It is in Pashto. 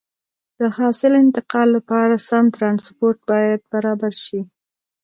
د حاصل انتقال لپاره سم ترانسپورت باید برابر شي.